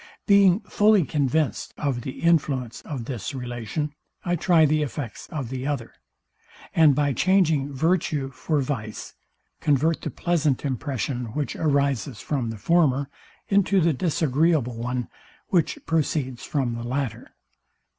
Being fully convinced of the influence of this relation, I try the effects of the other; and by changing virtue for vice, convert the pleasant impression, which arises from the former, into the disagreeable one, which proceeds from the latter.